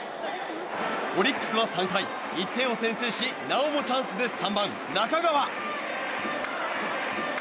オリックスは３回１点を先制しなおもチャンスで３番、中川。